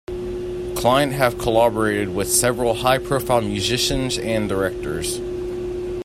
Client have collaborated with several high-profile musicians and directors.